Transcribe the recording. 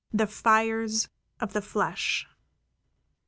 THE FIRES OF THE FLESH.